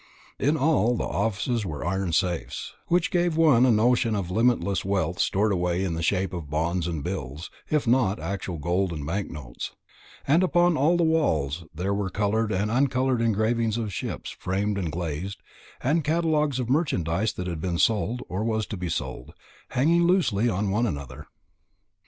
In all the offices there were iron safes, which gave one a notion of limitless wealth stored away in the shape of bonds and bills, if not actual gold and bank notes; and upon all the walls there were coloured and uncoloured engravings of ships framed and glazed, and catalogues of merchandise that had been sold, or was to be sold, hanging loosely one on the other.